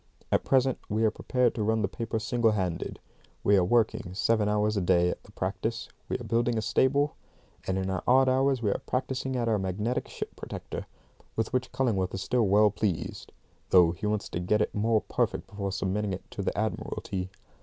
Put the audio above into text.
At present we are prepared to run the paper single handed; we are working seven hours a day at the practice; we are building a stable; and in our odd hours we are practising at our magnetic ship protector, with which Cullingworth is still well pleased, though he wants to get it more perfect before submitting it to the Admiralty.